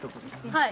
はい。